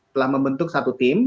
telah membentuk satu tim